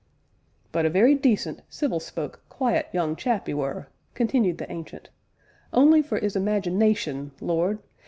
"But a very decent, civil spoke, quiet young chap 'e were!" continued the Ancient, "only for 'is imagination; Lord!